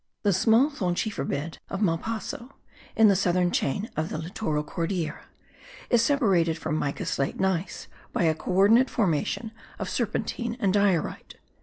The small thonschiefer bed of Malpasso (in the southern chain of the littoral Cordillera) is separated from mica slate gneiss by a co ordinate formation of serpentine and diorite.